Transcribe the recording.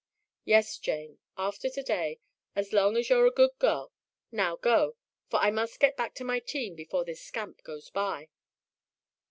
"Yes, Jane, after today, as long as you're a good girl. Now go, for I must get back to my team before this scamp goes by."